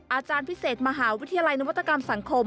อาจารย์พิเศษมหาวิทยาลัยนวัตกรรมสังคม